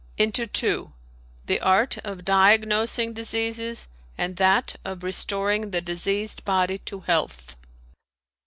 "Into two: the art of diagnosing diseases, and that of restoring the diseased body to health."